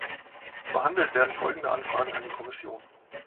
Behandelt werden folgende Anfragen an die Kommission.